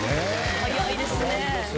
早いですね。